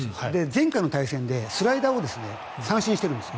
前回の対戦でスライダーを三振してるんです。